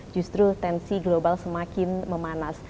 justru tensi global semakin memanas